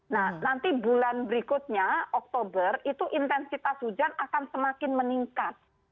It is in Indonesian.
nah nanti bulan berikutnya oktober itu intensitas hujan akan semakin meningkat